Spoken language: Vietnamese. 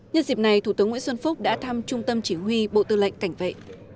nhân dịp này thủ tướng nguyễn xuân phúc đã thăm trung tâm chỉ huy bộ tư lệnh cảnh vệ